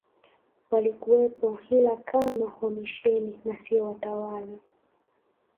walikuwepo ila kama wamisheni na sio watawala